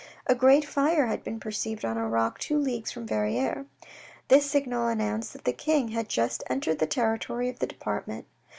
A great fire had been perceived on a rock two leagues from Verrieres. This signal announced that the king had just entered the territory of the department.